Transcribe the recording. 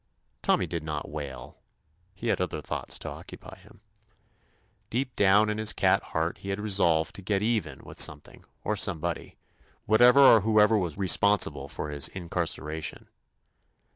Tommy did not wail; he had other thoughts to occupy him. Deep down in his cat heart he had resolved to "get even" with something or some body, whatever or whoever was re 137 THE ADVENTURES OF sponsible for his incarceration.